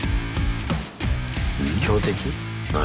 強敵？